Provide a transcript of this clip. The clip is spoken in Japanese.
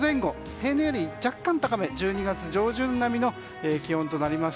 平年より若干高め１２月上旬並みの気温です。